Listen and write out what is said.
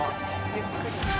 ゆっくり。